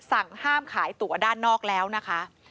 สั่งห้ามขายตัวด้านนอกแล้วนะคะ